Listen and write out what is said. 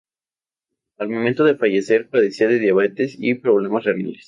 Al momento de fallecer padecía de diabetes y problemas renales.